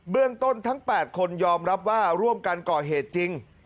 เรื่องต้นทั้ง๘คนยอมรับว่าร่วมกันก่อเหตุจริง